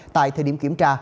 tại thời điểm kiểm tra